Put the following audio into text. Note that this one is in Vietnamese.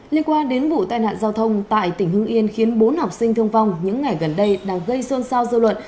liên quan đến vụ tai nạn giao thông tại tỉnh hưng yên khiến bốn học sinh thương vong những ngày gần đây đang gây sôn sao dâu luận